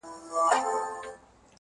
یاد په نړۍ کې؛ پټان هم یم